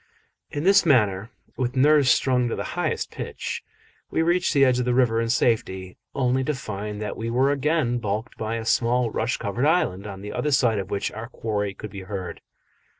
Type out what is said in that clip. In this manner, with nerves strung to the highest pitch, we reached the edge of the river in safety, only to find that we were again baulked by a small rush covered island, on the other side of which our quarry could be heard.